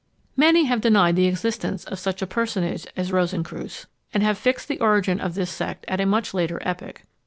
Many have denied the existence of such a personage as Rosencreutz, and have fixed the origin of this sect at a much later epoch.